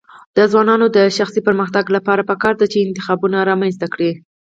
د ځوانانو د شخصي پرمختګ لپاره پکار ده چې انتخابونه رامنځته کړي.